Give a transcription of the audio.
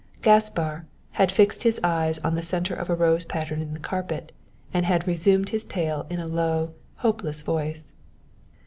Gaspar had fixed his eyes on the centre of a rose pattern in the carpet, and had resumed his tale in a low, hopeless voice.